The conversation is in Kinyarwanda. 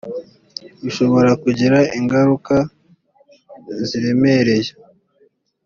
bishobora kugira ingaruka ziremereye